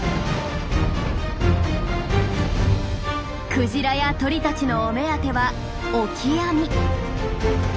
クジラや鳥たちのお目当てはオキアミ。